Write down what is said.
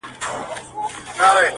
ويل موري ستا تر ژبي دي قربان سم؛